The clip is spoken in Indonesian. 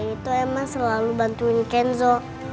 itu emang selalu bantuin kenzo